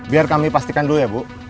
biar kami pastikan dulu ya bu